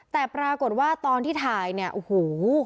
แต่ปรากฏว่าตอนที่ถ่ายเนี่ยโอ้โห